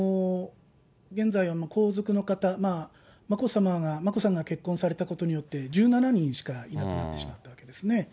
現在、皇族の方、眞子さんが結婚されたことによって、１７人しかいなくなってしまったわけですね。